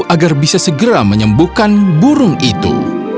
agar bisa segera menyembuhkan burung itu